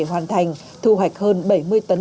hoàn thành thu hoạch hơn bảy mươi tấn